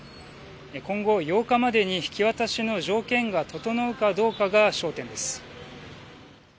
今後、８日までに引き渡しの条件が整うかどうかが焦点です。